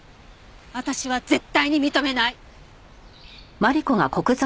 私は絶対に認めない！